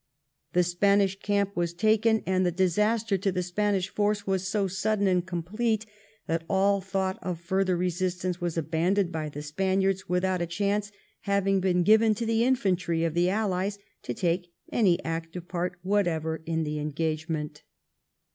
The Spanish camp was taken, and the disaster to the Spanish force was so sudden and complete that all thought of further resistance was abandoned by the Spaniards without 1710 THE BATTLE OF ALMENAEA. 39 a chance having been given to the infantry of the Allies to take any active part whatever in the engage ment.